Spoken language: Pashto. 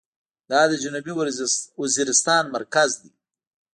دا د جنوبي وزيرستان مرکز دى.